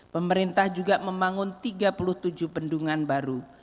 pemerintah juga membangun tiga puluh tujuh bendungan baru